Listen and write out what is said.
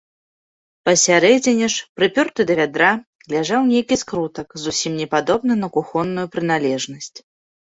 Пасярэдзіне ж, прыпёрты да вядра, ляжаў нейкі скрутак, зусім не падобны на кухонную прыналежнасць.